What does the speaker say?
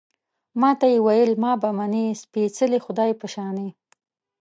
ما ته يې ویل، ما به منې، سپېڅلي خدای په شانې